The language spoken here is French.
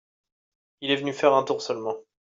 Il est venu faire un tour seulement.